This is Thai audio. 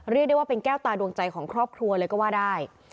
เรียกได้ว่าเป็นแก้วตาดวงใจของครอบครัวเลยก็ว่าได้